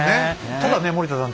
ただね森田探偵